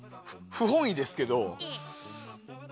不本意ですけど。